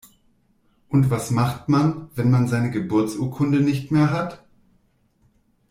Und was macht man, wenn man seine Geburtsurkunde nicht mehr hat?